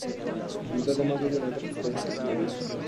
Pintó además varios retratos, paisajes y marinas.